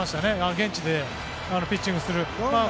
現地でピッチングする。